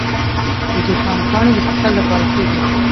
د توتانو پاڼې د شکر لپاره ښې دي؟